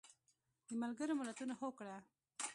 د ملګرو ملتونو هوکړه